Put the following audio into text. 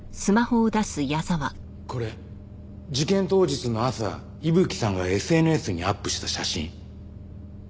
これ事件当日の朝伊吹さんがＳＮＳにアップした写真。